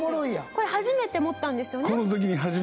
これ初めて持ったんですよね？